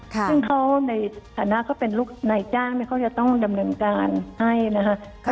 ซึ่งเขาในฐานะเขาเป็นลูกนายจ้างเขาจะต้องดำเนินการให้นะคะ